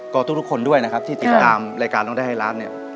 ก็ทุกคนด้วยนะครับที่ติดตามรายการร้องได้ให้ล้านเนี่ย